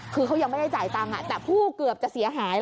คือเขายังไม่ได้จ่ายตังค์แต่ผู้เกือบจะเสียหาย